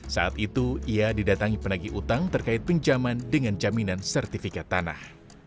saat itu ia didatangi penagi utang terkait pinjaman dengan jaminan sertifikat tanah